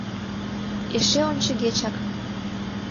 Эше ончыгечак.